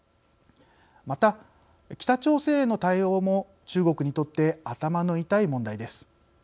また、北朝鮮への対応も中国にとって頭の痛い問題です。